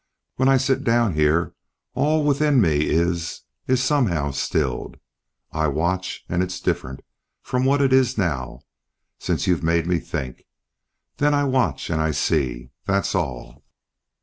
When I sit down here all within me is is somehow stilled. I watch and it's different from what it is now, since you've made me think. Then I watch, and I see, that's all."